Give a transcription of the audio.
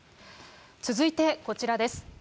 続いてこちらです。